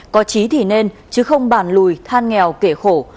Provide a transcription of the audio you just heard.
có trí thì nên chứ không bàn lùi than nghèo kề khổ